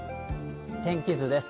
天気図です。